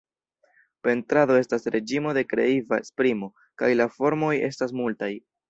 Pentrado estas reĝimo de kreiva esprimo, kaj la formoj estas multaj.